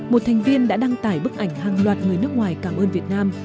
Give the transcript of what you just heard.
một thành viên đã đăng tải bức ảnh hàng loạt người nước ngoài cảm ơn việt nam